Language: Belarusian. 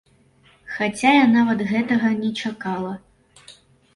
Хаця я нават гэтага не чакала.